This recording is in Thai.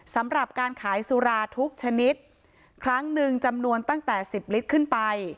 สำหรับการขายสุราทุกชนิดครั้งหนึ่งจำนวนตั้งแต่สิบลิตรขึ้นไป